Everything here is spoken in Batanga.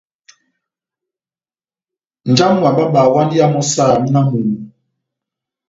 Nja wamu wa bába awandi iya mɔ́ saha múna wa momó.